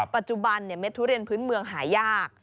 ปัจจุบันเม็ดทุเรียนพื้นเมืองหายาก